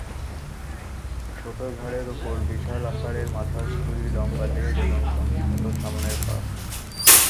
ছোট ঘাড়ের উপর বিশাল আকারের মাথার খুলি, লম্বা লেজ এবং সংক্ষিপ্ত সামনের পা।